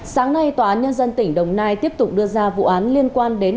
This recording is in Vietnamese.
sáng nay tòa án nhân dân tỉnh đồng nai tiếp tục đưa ra vụ án liên quan đến